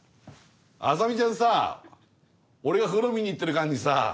あさみちゃんさ俺が風呂見に行ってる間にさ